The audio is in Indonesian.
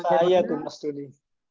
ini dari saya tuh mas doni